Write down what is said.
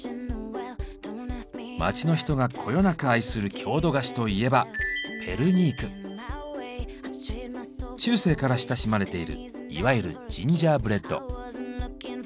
街の人がこよなく愛する郷土菓子といえば中世から親しまれているいわゆるジンジャーブレッド。